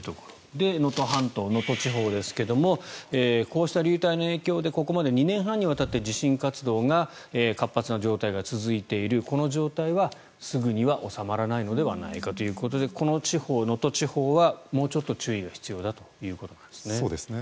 能登半島、能登地方ですがこうした流体の影響でここまで２年半にわたって地震活動が活発な状態が続いているこの状態はすぐには収まらないのではないかということでこの地方、能登地方はもうちょっと注意が必要だということなんですね。